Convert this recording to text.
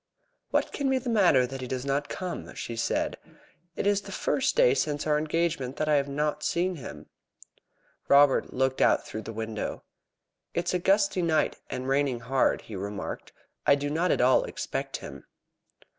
"What can be the matter that he does not come?" she said. "It is the first day since our engagement that I have not seen him." Robert looked out through the window. "It is a gusty night, and raining hard," he remarked. "I do not at all expect him."